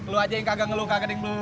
lu aja yang kagak ngeluh kagak yang beli